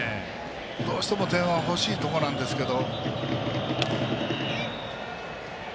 どうしても点は欲しいところなんですけど。